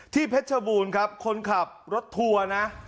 เพชรบูรณ์ครับคนขับรถทัวร์นะ